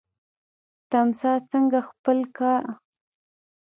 تمساح څنګه خپل ښکار نیسي؟